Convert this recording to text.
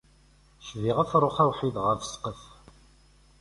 Cbiɣ afrux awḥid ɣef ssqef.